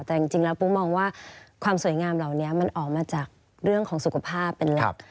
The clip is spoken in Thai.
แต่จริงแล้วปูมองว่าความสวยงามเหล่านี้มันออกมาจากเรื่องของสุขภาพเป็นหลัก